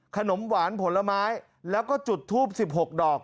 ขนมหวานผลไม้แล้วก็จุดทูบ๑๖ดอก